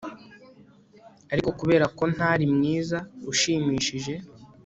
Ariko kubera ko ntari mwiza ushimishije